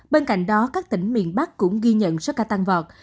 bên cạnh đó các tỉnh miền bắc cũng ghi nhận số ca tăng vọt